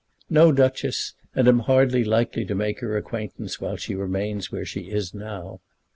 "No, Duchess; and am hardly likely to make her acquaintance while she remains where she is now."